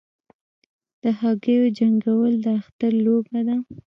د هګیو جنګول د اختر لوبه ده.